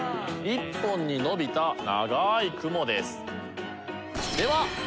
一本に伸びた長い雲です。